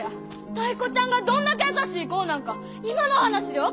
タイ子ちゃんがどんだけ優しい子なんか今の話で分かったやろ！